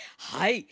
はい。